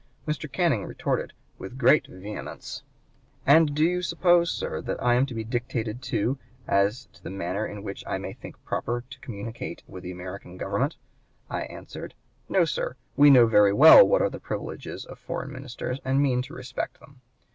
Mr. Canning retorted, with great vehemence: "'And do you suppose, sir, that I am to be dictated to as to the manner in which I may think proper to communicate with the American Government?' I answered, 'No, sir. We know very well what are the privileges of foreign ministers, and mean to respect them.